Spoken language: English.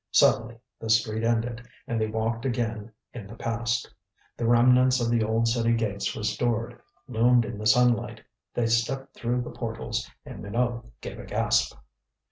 Suddenly the street ended, and they walked again in the past. The remnants of the old city gates restored, loomed in the sunlight. They stepped through the portals, and Minot gave a gasp.